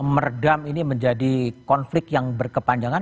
meredam ini menjadi konflik yang berkepanjangan